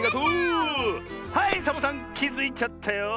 はいサボさんきづいちゃったよ！